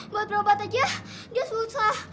buat berobat aja ya susah